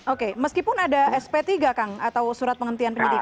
oke meskipun ada sp tiga kang atau surat penghentian penyidik